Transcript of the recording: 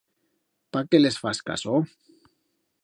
Pa qué les fas caso?